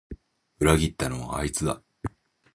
裏切ったのはあいつだ